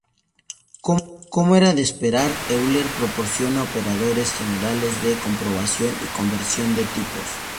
Como era de esperar, Euler proporciona operadores generales de comprobación y conversión de tipos.